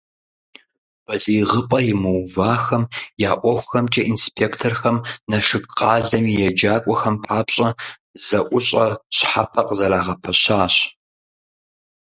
БалигъыпӀэ имыувахэм я ӀуэхухэмкӀэ инспекторхэм Налшык къалэм и еджакӀуэхэм папщӀэ зэӀущӀэ щхьэпэ къызэрагъэпэщащ.